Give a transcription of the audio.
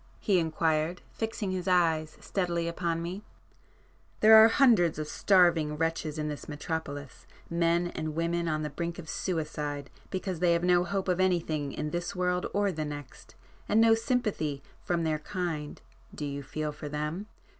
he inquired, fixing his eyes steadily upon me—"There are hundreds of starving wretches in this metropolis,—men and women on the brink of suicide because they have no hope of anything in this world or the next, and no sympathy from their kind—do you feel for them?